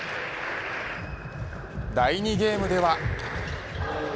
第２ゲームでは。